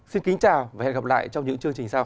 xin kính chào và hẹn gặp lại trong những chương trình sau